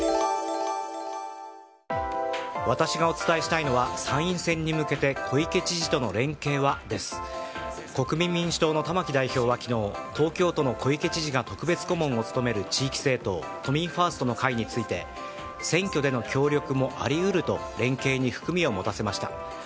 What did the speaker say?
私がお伝えしたいのは参院選に向けて小池知事との連携は？です。国民民主党の玉木代表は昨日東京都の小池知事が特別顧問を務める地域政党地域政党都民ファーストの会について選挙での協力もあり得ると連携に含みを持たせました。